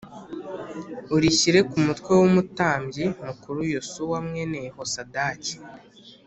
urishyire ku mutwe w umutambyi mukuru Yosuwa mwene Yehosadaki